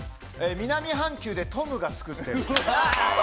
南半球でトムが作ってる。